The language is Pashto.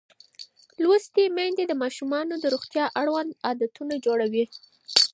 لوستې میندې د ماشومانو د روغتیا اړوند عادتونه جوړوي.